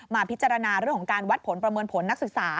พิจารณาเรื่องของการวัดผลประเมินผลนักศึกษา